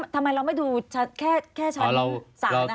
ทำไมเราไม่ดูแค่ชั้นศาล